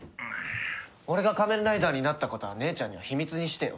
俺が仮面ライダーになったことは姉ちゃんには秘密にしてよ。